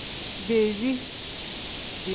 Dezii.